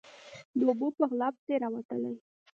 _د اوبو په غلا پسې راوتلی.